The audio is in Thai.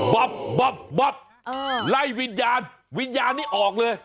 บับบับไล่วิญญาณวิญญาณนี้ออกเลย